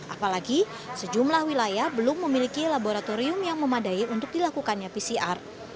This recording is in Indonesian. apalagi sejumlah wilayah belum memiliki laboratorium yang memadai untuk dilakukannya pcr